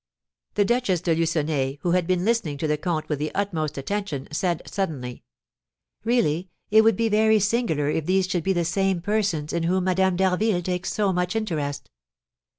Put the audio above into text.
The Duchess de Lucenay, who had been listening to the comte with the utmost attention, said, suddenly: "Really it would be very singular if these should be the same persons in whom Madame d'Harville takes so much interest."